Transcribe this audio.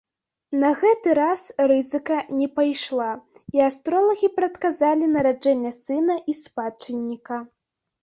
На гэты раз рызыка не пайшла, і астролагі прадказалі нараджэнне сына і спадчынніка.